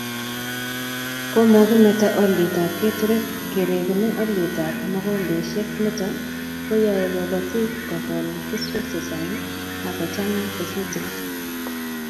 Komokimeto olyetab keturek, kerekune olyetab mogombesiek nito koyoei kobotik kokol keswek chechang akochanga kesutik